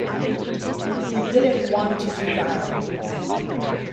We didn't want to do that.